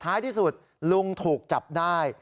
ท้ายที่สุดลุงถูกจับได้